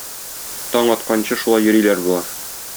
Таң атканчы шулай йөриләр болар.